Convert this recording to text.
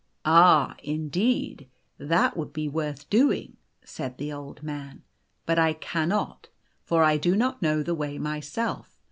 " Ah ! indeed, that would be worth doing," said the Old Man. " But I cannot, for I do not know the way myself.